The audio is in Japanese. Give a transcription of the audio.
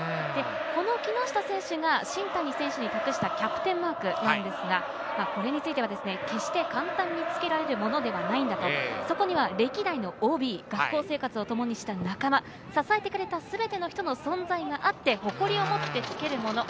木下選手が新谷選手に託したキャプテンマーク、これについては、決して簡単につけられるものではない、そこには歴代のＯＢ、学校生活をともにした仲間、支えてくれたすべての人の存在があって誇りを持ってつけるもの。